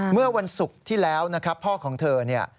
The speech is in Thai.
เมื่อวันศุกร์ที่แล้วนะครับพ่อของเธอเนี่ย